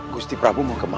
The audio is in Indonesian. gusti prabu mau kemana